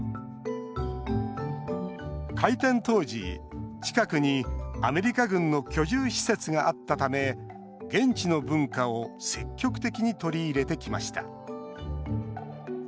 開店当時、近くにアメリカ軍の居住施設があったため現地の文化を積極的に取り入れてきました。